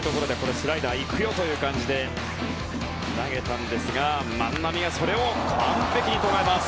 スライダーいくよという感じで投げたんですが万波がそれを完璧に捉えます。